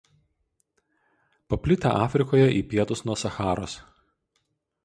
Paplitę Afrikoje į pietus nuo Sacharos.